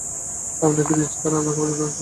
আপনাকে দিচ্ছি, কারণ আপনাকে পছন্দ হয়েছে।